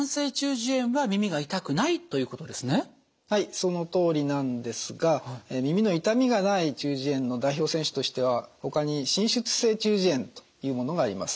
そのとおりなんですが耳の痛みがない中耳炎の代表選手としてはほかに滲出性中耳炎というものがあります。